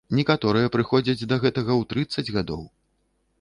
Некаторыя прыходзяць да гэтага ў трыццаць гадоў.